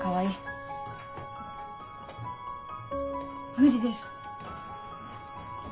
無理です。